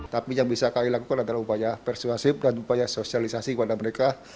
tapi yang bisa kami lakukan adalah upaya persuasif dan upaya sosialisasi kepada mereka